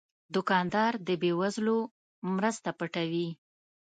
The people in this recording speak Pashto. دوکاندار د بې وزلو مرسته پټوي.